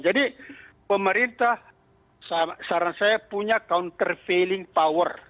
pemerintah saran saya punya counter failing power